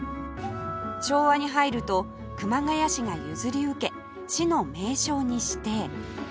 昭和に入ると熊谷市が譲り受け市の名勝に指定